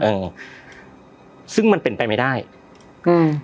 เออซึ่งมันเป็นไปไม่ได้อืม